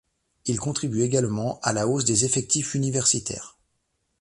Il contribue également à la hausse des effectifs universitaires.